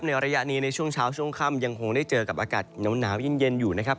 ระยะนี้ในช่วงเช้าช่วงค่ำยังคงได้เจอกับอากาศหนาวเย็นอยู่นะครับ